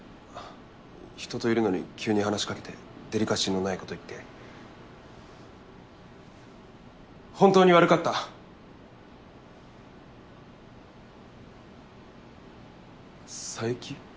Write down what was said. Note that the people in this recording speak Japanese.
人といるのに急に話しかけてデリカシーのないこと言って本当に悪かった佐伯？